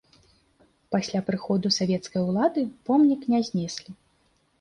Пасля прыходу савецкай улады помнік не знеслі.